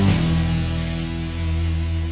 nanti aku bisa cari